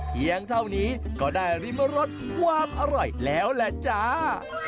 เพียงเท่านี้ก็ได้ริมรสความอร่อยแล้วแหละจ้า